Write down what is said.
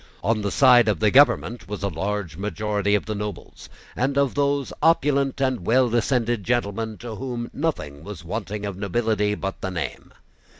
On the side of the government was a large majority of the nobles, and of those opulent and well descended gentlemen to whom nothing was wanting of nobility but the name.